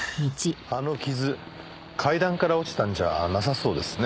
あの傷階段から落ちたんじゃなさそうですね。